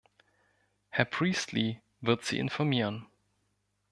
Herr Priestley wird Sie informieren.